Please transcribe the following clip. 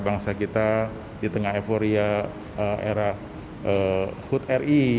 bangsa kita di tengah euforia era hud ri